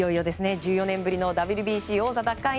１４年ぶりのＷＢＣ王座奪還へ。